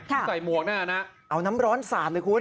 ใส่หมวกหน้านะครับเอาน้ำร้อนสาดเลยคุณ